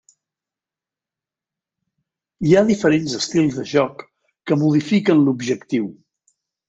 Hi ha diferents estils de joc que modifiquen l'objectiu.